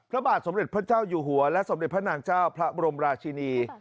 พระบาทสมเด็จพระเจ้าอยู่หัวและสมเด็จพระนางเจ้าพระบรมราชินี